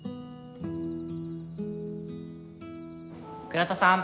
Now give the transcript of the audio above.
倉田さん。